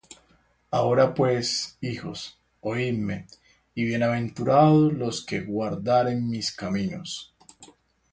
Ahora pues, hijos, oidme: Y bienaventurados los que guardaren mis caminos.